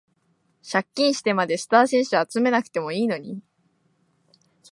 借金してまでスター選手集めなくてもいいのに